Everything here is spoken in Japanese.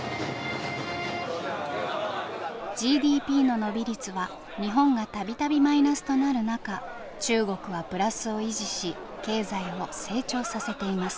ＧＤＰの伸び率は日本が度々マイナスとなる中中国はプラスを維持し経済を成長させています。